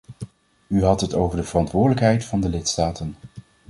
U had het over de verantwoordelijkheid van de lidstaten.